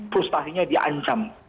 frustasinya dia ancam